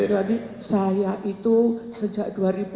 jadi saya itu sejak dua ribu empat belas